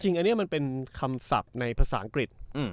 อันนี้มันเป็นคำศัพท์ในภาษาอังกฤษ